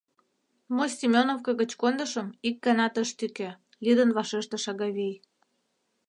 — Мо Семеновко гыч кондышым — ик ганат ыш тӱкӧ, — лӱдын вашештыш Агавий.